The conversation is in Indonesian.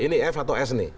ini f atau s nih